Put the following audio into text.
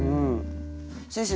先生